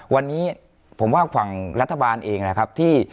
วันนี้ผมว่าฝั่งรัฐบาลเองนะครับที่